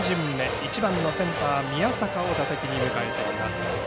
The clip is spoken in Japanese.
１番のセンター宮坂を打席に迎えています。